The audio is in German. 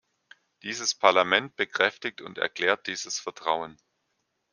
Dieses Parlament bekräftigt und erklärt dieses Vertrauen.